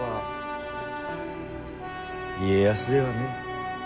家康ではねえ。